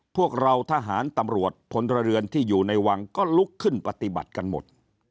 พวกเราทหารตำรวจพลเรือนที่อยู่ในวังก็ลุกขึ้นปฏิบัติกันหมด